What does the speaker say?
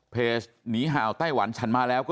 เพจที่หาวไต้หวันฉันมาแล้ว